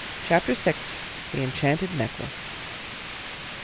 CHAPTER VI. THE ENCHANTED NECKLACE.